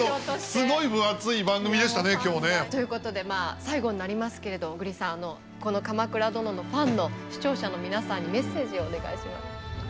すごい分厚い番組でしたね今日ね。ということで最後になりますけれど小栗さんこの「鎌倉殿」のファンの視聴者の皆さんにメッセージをお願いします。